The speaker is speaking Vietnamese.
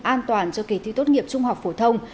an toàn cho kỳ thi tốt nghiệp trung học phổ thông